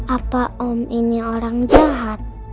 apa om ini orang jahat